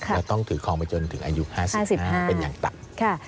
และต้องถือคลองไปจนถึงอายุ๕๕เป็นอย่างต่ำ